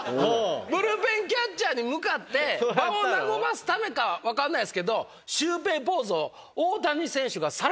ブルペンキャッチャーに向かって場を和ますためかは分からないですけど大谷選手が。